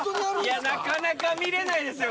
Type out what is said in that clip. いやなかなか見れないですよ